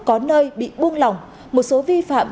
có nơi bị buông lỏng một số vi phạm